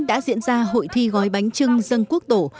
đã diễn ra hội thi gói bánh trưng dân quốc tổ